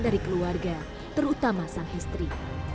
dari keluarga terutama sang istri